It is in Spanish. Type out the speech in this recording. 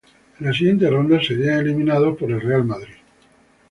En la siguiente ronda, serían eliminados por New Jersey Nets.